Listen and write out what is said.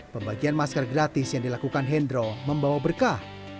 pembagian masker gratis yang dilakukan hendro membawa berkah